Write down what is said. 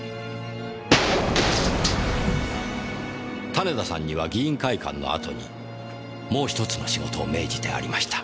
種田さんには議員会館の後にもう１つの仕事を命じてありました。